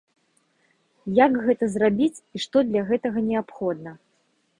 Як гэта зрабіць і што для гэтага неабходна?